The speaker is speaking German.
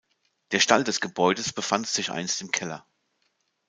Der Stall des Gebäudes befand sich einst im Keller.